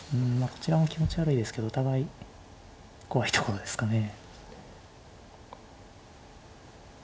こちらも気持ち悪いですけどお互い怖いところですかね。